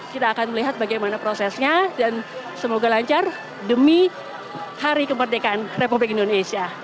kita akan melihat bagaimana prosesnya dan semoga lancar demi hari kemerdekaan republik indonesia